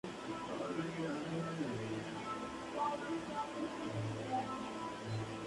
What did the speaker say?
El reverso es liso y está preparado para el grabado del nombre del receptor.